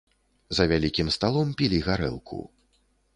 За вялікім сталом пілі гарэлку.